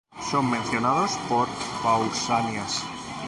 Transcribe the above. Son mencionados por Pausanias.